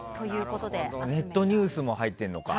ネットニュースも入ってるのか。